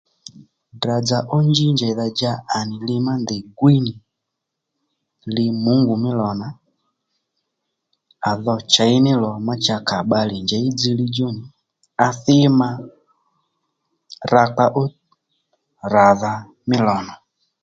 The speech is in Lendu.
Ddrà-dzà ó njí njèydha-dja à nì li má ndèy gwíy nì li mungu mí lò nà à dho chěy ní lò má à kà bbalè njěy í dziylíy djú nì à thi mà rakpa ó ràdha mí lò nà